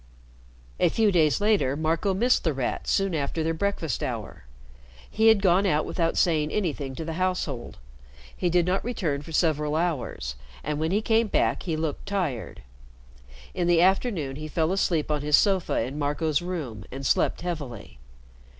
A few days later, Marco missed The Rat soon after their breakfast hour. He had gone out without saying anything to the household. He did not return for several hours, and when he came back he looked tired. In the afternoon he fell asleep on his sofa in Marco's room and slept heavily.